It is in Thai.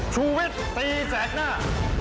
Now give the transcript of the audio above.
ชูวิทย์ตีแสกหน้า